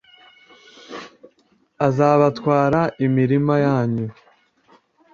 azabatwara imirima yanyu